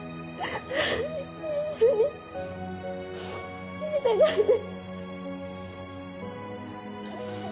一緒にいたかった。